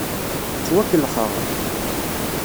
Ttwakellxeɣ.